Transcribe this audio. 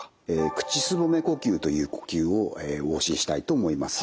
口すぼめ呼吸という呼吸をお教えしたいと思います。